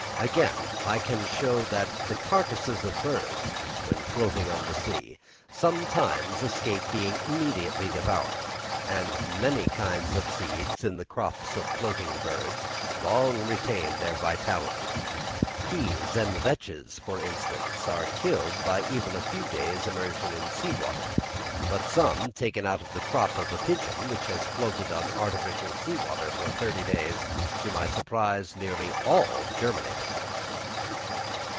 Again, I can show that the carcasses of birds, when floating on the sea, sometimes escape being immediately devoured; and many kinds of seeds in the crops of floating birds long retain their vitality: peas and vetches, for instance, are killed by even a few days' immersion in sea water; but some taken out of the crop of a pigeon, which had floated on artificial sea water for thirty days, to my surprise nearly all germinated.